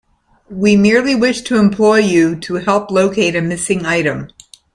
We merely wish to employ you to help locate a missing item.